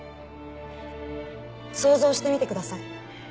想像してみてください。